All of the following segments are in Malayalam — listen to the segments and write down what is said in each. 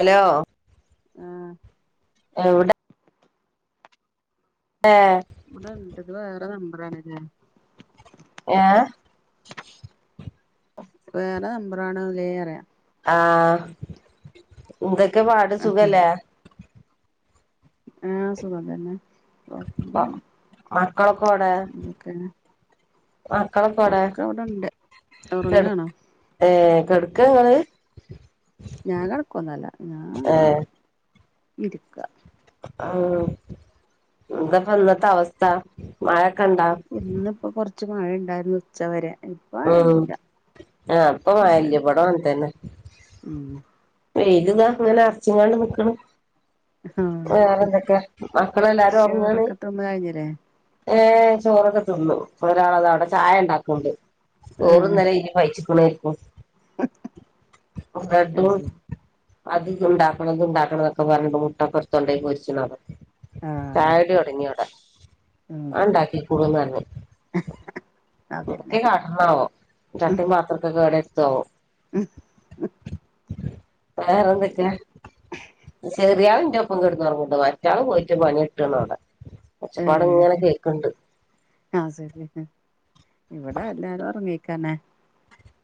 ഹലോ ആഹ് എവിടെ ഏ ഇവിടെ വീട്ടക്ക് വേറെ നമ്പറാണ് ഏ വേറെ നമ്പറാണല്ലേ അറിയാം ആ ഇതൊക്കെ പാട് സുഖല്ലേ ആ സുഖം തന്നെ അ കൊഴപ്പൊന്നുല്ല മക്കളൊക്കെ എവിടെ എന്തൊക്കെയാണ് മക്കളൊക്കെ എവടെ ഒക്കെ ഇവിടെണ്ട് ഉറങ്ങാണോ കിടക്കാങ്ങള് ഞാൻ കിടക്കുന്നല്ല ഞാൻ [unintelligible] ഇരിക്ക ആ എന്തപ്പെ ഇന്നത്തവസ്ഥ മഴ ഇന്നിപ്പോ കൊറച്ച് മഴ ഉണ്ടായിരുന്നു ഉച്ചവരെ ഇപ്പ ഉം മഴയൊന്നുല്ല ആ ഇപ്പ മഴയില്ല ഇവട [unintelligible] ഉം ഇതാ അങ്ങനെ അറച്ചിങ്ങാണ്ട് നിക്കണ് ആഹ് വേറെയെന്തൊക്കെ മക്കളെല്ലാരും ഉറങ്ങുവാണ് ചോറൊക്കെ തിന്ന് കഴിഞ്ഞില്ലേ ഏയ് ചോറൊക്കെതിന്നു ഒരാളാതാ യവിടെ ചായ ഉണ്ടാക്കുന്നുണ്ട് ചോറും, ഏഹ് കറിയു [unintelligible] മിനിവൈകി ഉണ്ടായിട്ടോ അത് ശരി അതുണ്ടാക്കണമിതുണ്ടാക്കണമെന്നൊക്കെ പറഞ്ഞിട്ട് മുട്ട പൊരിച്ചതുണ്ടേൽ, പെരിക്കണം ആഹ് ചായകുടി തൊടങ്ങി അവിടെ ഉം അവനുണ്ടാക്കിക്കോളുംയെന്നു പറഞ്ഞു അത് തന്നെ എന്നാ ഓഹ് ചട്ടി പാത്രത്തിന്റെ കടേലെടുക്കുമോ ആവോ ഉ [unintelligible] വേറെന്തൊക്കെയാ വിശേ ചെറിയാള് ഇൻ്റൊപ്പം കെടന്നൊറങ്ങ്ന്ന്ണ്ട് മറ്റേയാള് പോയിട്ട് പണി കെട്ടാണവിടെ ഏഹ് ആ സെരി ഇവിടെ എല്ലാരും ഒറങ്ങീക്കന്നെ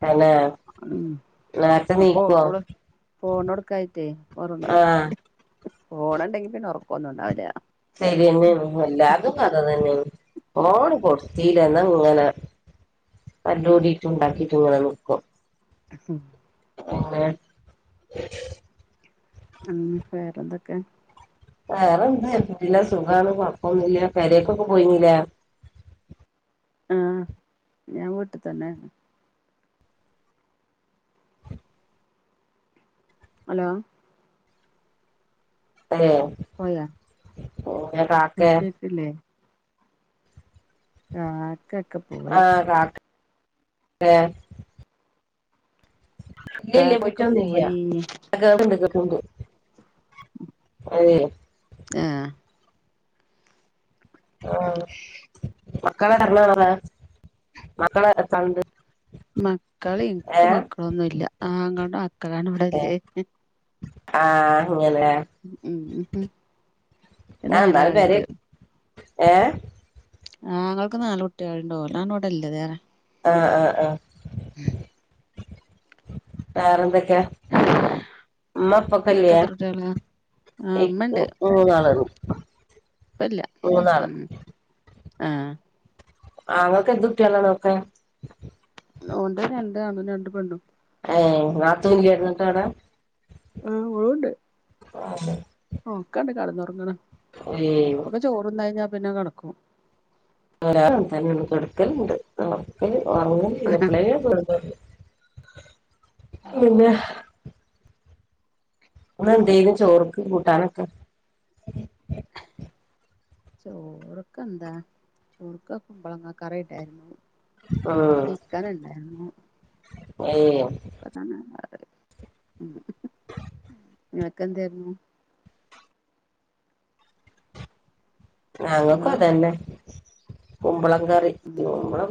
തന്നെ ഉം നേരത്തെ ഒക്കെ നീക്കോ ഓള് ഫോണ് കൊടുക്കായിറ്റേ ഒറങ്ങിക്കാ ആഹ് ഫോണ് ഇണ്ടെങ്കി പിന്നെ ഒറക്കൊന്നുണ്ടാവില്ല. ശരിതന്നെയാണ്, എല്ലാരതും കഥ ഇതെന്നെയാണ് ഫോണ് കൊടുത്തീല ഇന്നാ ഇങ്ങനെ തല്ല് കൂടീട്ടും ഇണ്ടാക്കീറ്റും ഇങ്ങനെ നിക്കും. അതെ ഉം... വേറെന്തൊക്കെ വേറെന്ത്, സുഖാണ് കൊഴപ്പൊന്നില്ല, കരൊക്കൊക്കെ പോയിരുന്നില്ലേ ആ.. ഞാൻവീട്ടിൽ തന്നെ ഹലോ പോയാ കാക്കയെ കേക്കില്ലേ ആ, കാക്കയൊക്കെ പോയി ഏ.. ഇല്ലില്ല. കാക്കയൊക്കെ പോയിട്ടൊന്നു [inaudible] പോയി മില്ല കേണ്ട് അതെ ആഹ് ആ.. മക്കളെ ഇറങ്ങാറാമക്കളെക്കണ്ട് മക്കൾ, എനിക്ക് മക്കളൊന്നുമില്ല ആങ്ങളയുടെ ഏ മക്കളാണിവിടല്ലേ ആ ഉം ഉം അങ്ങനെഞാൻ നാല് പേരെ നാലാളുണ്ട് ഏ ആങ്ങളക്ക് നാല് കുട്ടികളുണ്ട്. ഒരാളിവിടെയില്ല, ദേ വകല്ലോടല്ലേതേറെ ആഹ്. ആ. ആ. വേറെയെന്തൊക്കെയാ നമ്മകൊക്കെയില്ലേ നിങ്ങൾക്ക് എത്ര കുട്ടികളാ ആഹ് [inaudible] ഇപ്പമില്ല ഉം... ആ.. അങ്ങളക്കെന്തുകുട്ടികളാണുഒക്കെ ഉണ്ട്‌. രണ്ടാണുംരണ്ടുപെണും ഏ.. നാത്തൂനില്ലായിരുന്നു ഇത്തവണ ആ... ഉണ്ട് ഓ, കണ്ടോ കിടന്നുറങ്ങണേ, ഏ അപ്പം ചോറുണ്ടുകഴിഞ്ഞാ പിന്നെ കിടക്കും. തന്നെയടുക്കലുണ്ട് ക്ക ഉഓർങ്ങ എപ്പഴ [inaudible] പിന്നെ ഇന്ന് എന്തേലും ചോറും കൂട്ടാനുമൊക്കെ ചോറൊക്ക എന്താ ചോറുക്ക കുമ്പളങ്ങ കറിയുണ്ടായിരുന്നു ഉം ചിക്കൻ ഉണ്ടാരുന്നു [unintelligible] ഉം നിനക്കെന്തേരുന്നു ഹലോ ഞങ്ങൾക്കും അതന്നെ കുമ്പളം കറി ഉം കുമ്പളം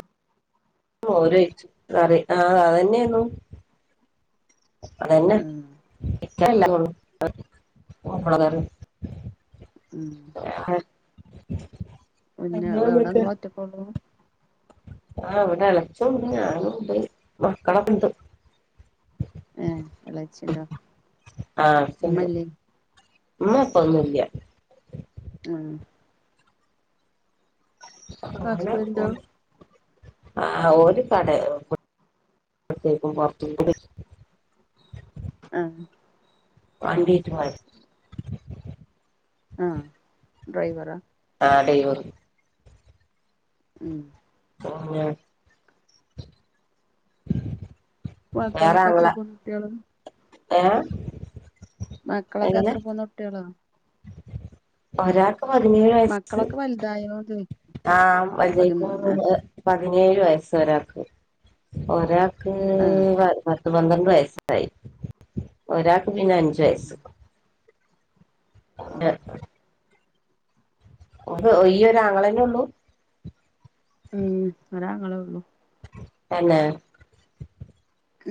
മോരൊയിച്ച് കറി ആഹ് അതന്നെന്നു അതന്നെ ഉം [unintelligible] കുമ്പളം കറി ഉം [unintelligible] പിന്നെ എവിടങ്ങള് ഒറ്റക്കുള്ളൂ ആ അവിടെ എളേച്ചോണ്ട് ഞാനും പോയി മക്കളാത്തുണ്ട് ഏയ് എളേച്ചി ഉണ്ടേ ആഹ് എളച്ചണ്ട് ഉമ്മ ഇല്ലേ ഉമ്മ ഇപ്പൊന്നുല്ല്യാ ഉം ഹസ്ബൻടോ ആ ഒരു കടേ കു അകത്തേക്കും പത്തി കുടി ആ വാണ്ടീറ്റും വ ആഹ് ഡ്രൈവറാ? ആഹ് ഡൈവറ് ഉം പോ കുഞ്ഞാ വേറെ മക്കളൊക്ക എത്ര ആങ്ങള പോന്ന കുട്ട്യേളാ? [unintelligible] മക്കളൊക്കെ അത്ര പോന്ന കുട്ടികളാ? ഒരാക്ക് ഇപ്പം പതിനേഴ് വയസ്സ് മക്കളൊക്കെ വലുതായോന്ന് ആഹ് പതിമൂന്ന് [unintelligible] പതിനേഴ് വയസ്സൊരാക്ക് ഒരാക്ക് ആഹ് പ പത്ത് പത്ത് പന്ത്രണ്ട് വയസ്സായി ഒരാൾക്ക് പിന്നെ അഞ്ചു ഉം വയസ്സ് [unintelligible] ഈ ഒരാങ്ങളന്നെ ഉള്ളൂ ങ്ങളെ ഉള്ളൂ തന്നെ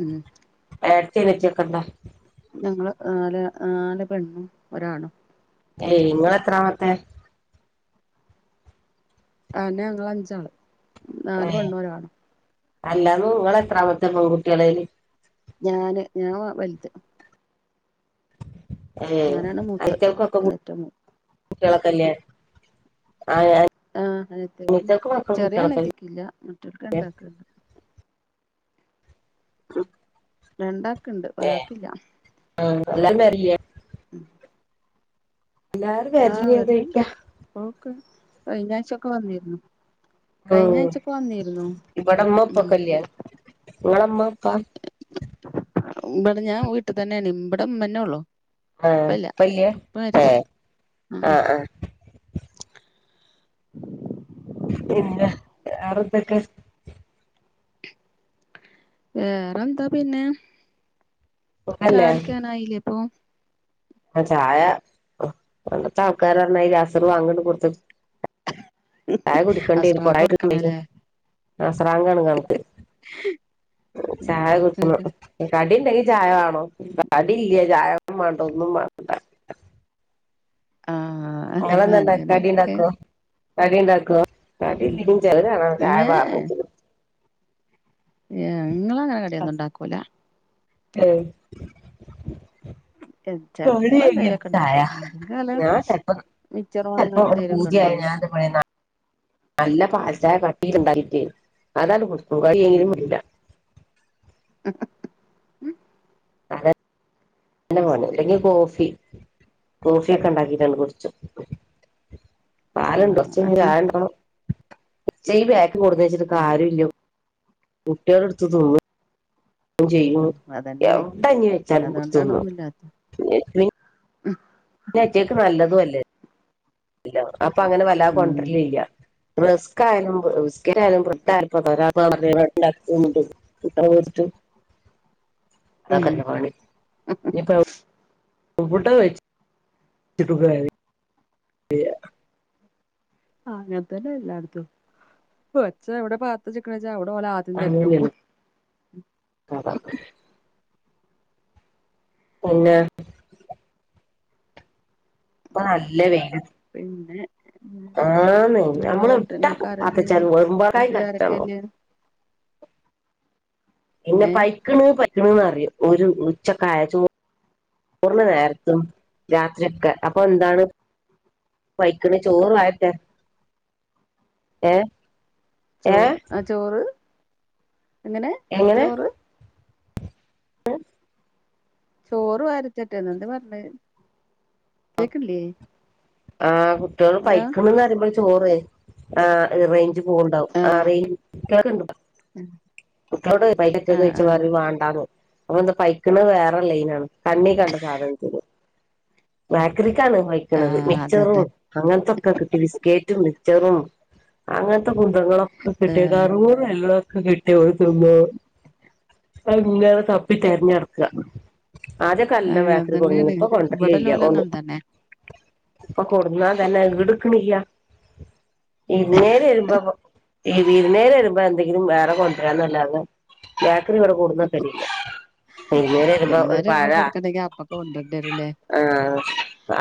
ഉം ഏടത്തി അനിയത്തി ഒക്കെ ഇണ്ട് ഞങ്ങള് നാല് നാല് പെണ്ണും ഒരാണും ഏയ് അഞ്ചാള് ഇങ്ങള് എത്രാമത്തെ അയ്ന്നെ ഞങ്ങള് അഞ്ചാള് നാല് പെണ്ണും ഒരാണും അല്ലാന്നു നിങ്ങളെത്രാമത്തെ പെൺകുട്ടിയാളെയ്ല് ഞാന് ഞാൻ വലുത് ഏയ് ഞാനാണ് മൂത്ത് അയ്റ്റങ്ങൾക്കൊക്കെ കു ഏറ്റവും കുട്ടികളൊക്ക ഇല്ലേ ആഹ് അനിയത്തിയാക്കും മക്കളും ചെറിയ കുട്ടികളൊക്കെല്ലേ അനിയത്തിക്കില്ല മറ്റോൽക്ക് രണ്ടാക്ക് ഉള്ളൂ ആഹ് രണ്ടാക്ക്ണ്ട് ഒരാക്കില്ല എല്ലാരും വരില്ലേ എല്ലാരും ആഹ് വരില്ലേ വരിലണ്ട് ചോയിക്കാ പോക്ക് കഴിഞ്ഞാഴ്ചൊക്കെ വന്നിരുന്നു ഉം കഴിഞ്ഞാഴ്ചൊക്കെ വന്നിരുന്നു ഉം നിങ്ങളെ ഉമ്മ ഉപ്പാ ഇവിടെ ഞാൻ വീട്ടി തന്നെയാണ് ഇബ്ടെ ഇമ്മന്നേള്ളൂ ആഹ് ഇപ്പല്ലാ ഇപ്പല്ല്യ ഇ പ്പ മരിച്ചു ഏഹ് ഉം ആഹ് ആഹ് പിന്ന വേറെ എന്തെക്കെ വേറെന്താ പിന്നെ ചായ സുഖല്ലേ കുടിക്കാനായില്ലേ ഇപ്പൊ ആ ചായ പണ്ടത്തെ ആൾക്കാർ പറഞമാതിരി അസർ വാങ്ക്ണ് കൊടുത്ത് ചായ കുടിക്കണ്ടി വരും അസ്റാങ്ക് കുറേയി കൊടുക്കണല്ലേ [unintelligible] അസ്റാങ്കാണ് കണക്ക് ചായ കുടിക്കുന്നു കടീണ്ടെങ്കി ചായ വേണം കടീല്ലേ ചായേം വേണ്ട ഒന്നും വേണ്ട. ആ ഇങ്ങളെന്താണ്ടാക്ക അങ്ങനെ ഏ കടീണ്ടാക്കോ കടീണ്ടാക്കോ? കടീല്ലെങ്കിലും ചെല നേരം ചായ പകർന്ന് വെച്ചേക്കണ്‌ ഏഹ് ഇങ്ങളങ്ങനെ കടിയൊന്നും ഇണ്ടാക്കൂലാ. ഏയ്‌ ചെലപ്പ എന്തെങ്കിലുവൊക്ക ചായ ഇണ്ടാക്കും അല്ലെങ്കി വെല്ല ഞാൻ ചെലപ്പോ മിച്ചറോ ചെലപ്പോ ഇവിടെ അങ്ങനെന്തേലൊക്കെ പൂതിയായ ഇണ്ടാവും. ഞാൻ എന്താ പറയാ നല്ല പാൽച്ചായ കട്ടി ഇണ്ടാക്കീട്ട് അതങ്ങട് [unintelligible] ഇം [unintelligible] ഇല്ലെങ്കി കോഫി കോഫി ഒക്കെ എണ്ടാക്കിട്ടങ്ങട് കുടിച്ചും. പാലൊണ്ട് കൊറച്ചയ്ഞ്ഞ് ആഹ് ചായ ഇടണം. [unintelligible] കൊണ്ടന്ന് വെച്ചിട്ട് ആഹ് കാര്യോല്ല കുട്ട്യാള് എടുത്തു തിന്നും. ചെയ്യും ഉം അതന്നെയാണേ എവ്ടെങ്കിലും വെച്ചാലും അതുകൊണ്ടാണൊന്നുമില്ലാത്ത [unintelligible] [unintelligible] നല്ലതു അ ല്ല അപ്പൊ അങ്ങനെ വല്ലാതെ ഉം കൊണ്ടരലില്ല. റസ്ക്കായാലും ബിസ്ക്കറ്റ് ആയാലും ബ്രഡ് ആയാലും [unintelligible] ഉം അതന്നെ പണി ഇനിപ്പൊ ഫുഡ്ഡ് ‌ കഴിച് [unintelligible] [unintelligible] ആഹ് അങ്ങനെ തന്നെ എല്ലാടത്തും കൊച്ചെവിടെ പാത്ത്ച്ച്ക്കണെ ച്ചാ അവിടോൻ ആദ്യം തെരഞ്ഞോക്കും. അങ്ങനെയാണ് കഥ പിന്നേ ഇപ്പൊ നല്ല വെയില് പിന്നെ വേറെന്താ ആന്ന് നിങ്ങളെ നമ്മള് വീട്ട് ട്ട നിങ്ങക്ക് ആരല്ലേ ഉള്ളെ വീട്ടില് [unintelligible] ആരൊക്കെയില്ലേ പിന്നെ ഏഹ് പൈക്ണ് പൈക്ക്ണ്ന്നറിം ഒരു ഉച്ചക്കായ ചോ റ്‌ന് നേരത്തും രാത്രൊക്കെ അപ്പൊ ന്താണ്? പൈക്കിണ് ചോറാഅട്ടെ ഏഹ് ചോ ആ ചോറ് എങ്ങനെ എങ്ങനെ ചോറ് ചോറ് വരിത്തരട്ടേ ന്നോ എന്താ പർഞ്ഞേ കേക്ക്ണില്ലേ ആ കുട്ട്യേള് പൈക്ണ് ന്നറിംമ്പള് ചോറെ ആഹ് റൈഞ്ച് പോവ്ണ്ടാവും ആ ആഹ് റൈഞ്ച് [unintelligible] കുട്ട്യളോട് [unintelligible] ആഹ് ചോയ്ച്ച ആഹ് പറിം വാണ്ടാ ന്ന് അപ്പന്താ പൈക്ക്ണ് വേറെ ലൈനാണ് കണ്ണി കണ്ട സാധൻത്തിന് ബാക്കറി ട്ടാണ് പൈക്ക്ണത് ആഹ് മിച്ചറും അതന്നെ അങ്ങൻത്തൊക്കെ കിട്ടി ബിസ്കേറ്റും മിക്ച്ചറും അങ്ങൻത്തൊ ഫുഡുകളൊക്കെ കിട്ടി കറുമുറു അല്ലോം ക്കെ കിട്ടി ഓല് തിന്നോം അങ്ങനെ തപ്പിതെര ഞ്ഞട്ക്ക ആദ്യക്കല്ലോം വേക്കറി കൊടന്നീനു ഇപ്പോ കൊണ്ട്ര ടലോലങ്ങൻ തന്നെ അപ്പൊ കൊടുന്നാ തന്നെ ഈട്ക്ക്ണില്ല. വിര്ന്നേരെരുമ്പം കൊ വിരുന്ന്കാര് വരുമ്പോ എന്തെങ്കിലും വേറെ കൊണ്ടുവരാന്നല്ലന്ന് ക്കറി വടെ കൊട്ന്നക്കലില്ല വിര്ന്നേരെരുമ്പം ഒരു വിരുന്നാര് പഴ വരുമ്പോ കൊടുക്കണ്ടെങ്കി അപ്പൊക്കെ കൊണ്ടരണ്ടിവരുല്ലേ ആഹ്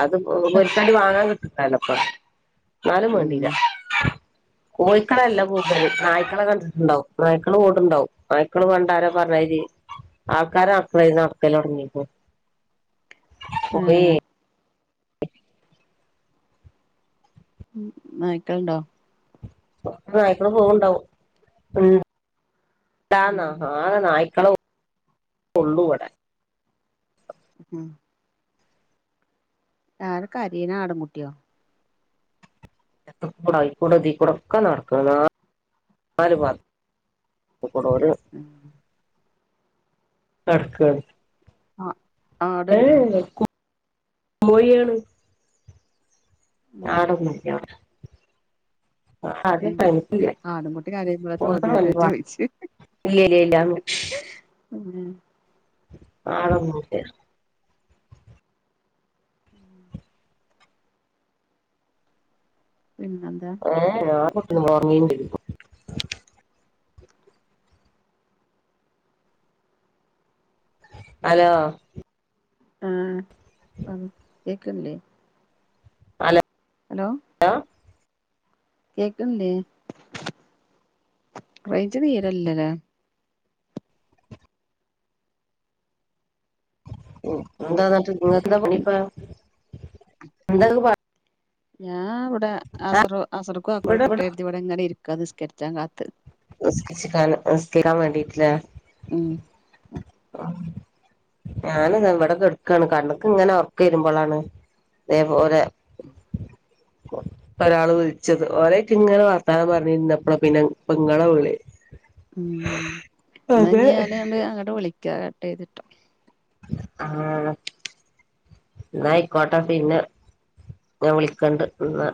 അത് ഒൽക്കേണ്ടി വാങ്ങാൻ [unintelligible] ന്നാലും വേണ്ടില്ല ഉം കോയിക്കളല്ല കൂട്തല് നായ്ക്കളെ കണ്ട്ട്ട്ണ്ടാവും നായ്ക്കള് കൂട്ണ്ടാവും നായ്ക്കള് പണ്ടാരോ പർഞ്ഞയ് രി ആൾക്കാര് നട്ക്കണയ്രി നട്‌ക്കലൊട്ങ്ങി ക്ക്. [unintelligible] ഉം നായ്ക്കൾ ഉണ്ടോ? നായ്ക്കളെ പോവുണ്ടാവും ഉം. ട്ട് ആണ് ഉം ആകെ നായ്ക്കളെ ഉള്ളു ഇവിടെ. ഉം ആരാ കരയണെ ആടിൻകുട്ടിയോ? അപ്പുറത്തെ കൂടെ അതിക്കൂടെ ഇതിക്കൂടെ ഒക്കെ നടക്കണ് ആകെ നാല്. [unintelligible] നടക്കാണ്. ആഹ് ആടുണ്ടോ ഏഹ് കു കോഴിയാണ്. ഉം ആട് ഒന്നും ഇല്ല അവിടെ. ആട് അവിടെ തനിച്ചല്ലേ. ആടുംകുട്ടി കരയുമ്പളാ തോന്നിയത് ഞാൻ [unintelligible] ചോയിച്ച് ഇല്ലേ ഇല്ലാന്ന്. ഉം ആട് ഒന്നുമില്ല. പിന്നെന്താ ഏഹ്. [unintelligible] ഹലോ ആഹ് ഉം കേക്കുന്നില്ലേ ഹലോ ഹലോ കേക്കുന്നില്ലേ, റെഞ്ച് തീരെ ഇല്ലല്ലേ. എന്നിട്ട് അങ്ങോട്ട് നിങ്ങൾക്ക് എന്താ [unintelligible] എന്താ നിങ്ങൾക്ക് പ ഞാൻ ഇവിടെ ആഹ് അസറ് അസറ്ക്ക് വാങ്ക് കൊടുക്കട്ടെ എടുത്ത് ഇവിടെ ഇങ്ങനെ ഇരിക്കാ നിസ്കരിച്ചാൻ കാത്ത്. നിസ്കരിക്കാൻ വേണ്ടിയിട്ടല്ലേ. ഉം ഞാന് ഇതേ ഇവിടെ കിടക്കാണ്, കണ്ണക്ക് ഇങ്ങനെ ഉറക്കം വരുമ്പോളാണ് ഇതേപോലെ. ഒരാള് വിളിച്ചത് ഓലേയ്റ്റ്ങ്ങനെ വർത്താനം പറഞ്ഞിരുന്നപ്പള പിന്നെ പ്പ ഇങ്ങളെ വിളി ഉം അതെ ഇന്നാഞ്ഞ് ഞാന് ആണ്ട് അങ്ങട്ട് വിളിക്ക കട്ട് ചെയ്തിട്ട് ആഹ് ഇന്നായ്ക്കോട്ടെ പിന്നെ ഞാൻ വിളിക്കണ്ട് ഇന്ന